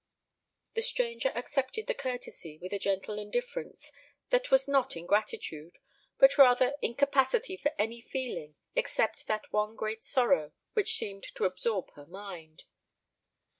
The stranger accepted the courtesy with a gentle indifference that was not ingratitude, but rather incapacity for any feeling except that one great sorrow which seemed to absorb her mind.